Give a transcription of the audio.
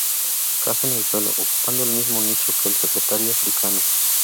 Caza en el suelo, ocupando el mismo nicho que el "secretario africano".